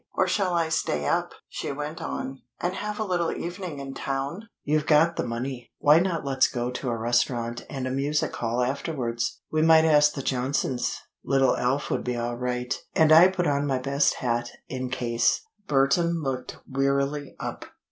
Or shall I stay up," she went on, "and have a little evening in town? You've got the money. Why not let's go to a restaurant and a music hall afterwards? We might ask the Johnsons. Little Alf would be all right, and I put on my best hat, in case." Burton looked wearily up.